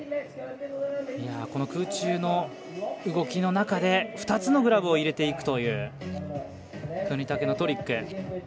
この空中の動きの中で２つのグラブを入れていくという國武のトリック。